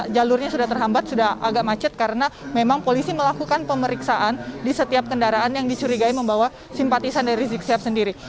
jalurnya sudah terhambat sudah agak macet karena memang polisi melakukan pemeriksaan di setiap kendaraan yang dicurigai membawa simpatisan dari rizik sihab sendiri